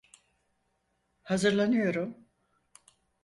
Hazırlanıyorum.